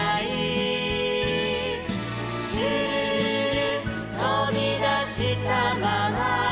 「シュルルルとびだしたまま」